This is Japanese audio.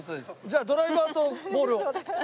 じゃあドライバーとボールを。